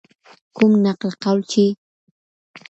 کوم نقل قول چي